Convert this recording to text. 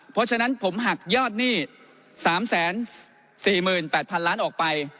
เพราะฉะนั้นผมหักยอดหนี้๓๔๘๐๐๐ล้านออกไป